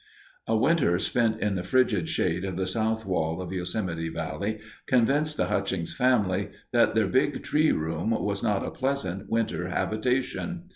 A winter spent in the frigid shade of the south wall of Yosemite Valley convinced the Hutchings family that their "Big Tree Room" was not a pleasant winter habitation.